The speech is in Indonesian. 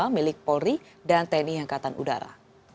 milik polri dan tni angkatan udara